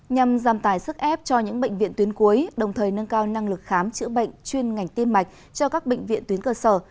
nhằm giảm tài sức ép cho những bệnh viện tuyến cuối đồng thời nâng cao năng lực khám chữa bệnh chuyên ngành tiêm mạch cho các bệnh viện tuyến cơ sở